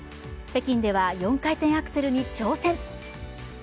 北京では４回転アクセルに挑戦。